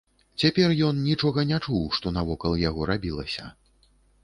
Цяпер ён нічога не чуў, што навокал яго рабілася.